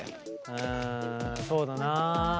うんそうだなあ。